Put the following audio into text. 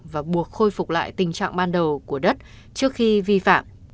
và buộc khôi phục lại tình trạng ban đầu của đất trước khi vi phạm